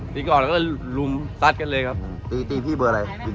ก่อนแล้วก็ลุมซัดกันเลยครับตีตีพี่เบอร์อะไร